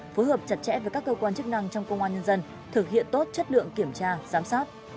phối hợp chặt chẽ với các cơ quan chức năng trong công an nhân dân thực hiện tốt chất lượng kiểm tra giám sát